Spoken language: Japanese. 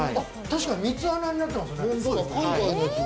確かに３つ穴になってますね。